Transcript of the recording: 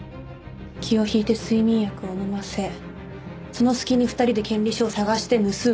気を引いて睡眠薬を飲ませその隙に２人で権利書を捜して盗む。